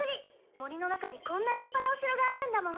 森の中にこんな立派なお城があるんだもん！